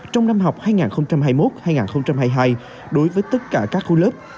trong năm học hai nghìn hai mươi một hai nghìn hai mươi hai đối với tất cả các khu lớp